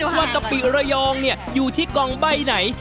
ว่ากะปิระยองอยู่ที่กล่องใบ้ไหน